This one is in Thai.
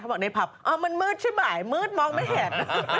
มันมืดใช่ไหมมืดมองไม่แสด